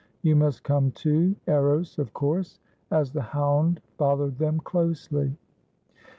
you must come too, Eros, of course," as the hound followed them closely.